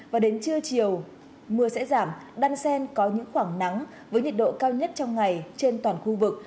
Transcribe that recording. và đến trưa chiều mưa sẽ giảm đan sen có những khoảng nắng với nhiệt độ cao nhất trong ngày trên toàn khu vực